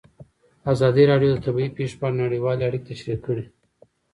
ازادي راډیو د طبیعي پېښې په اړه نړیوالې اړیکې تشریح کړي.